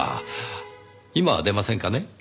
今は出ませんかね？